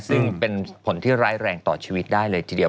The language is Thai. ซึ่งเป็นผลที่ร้ายแรงต่อชีวิตได้เลยทีเดียว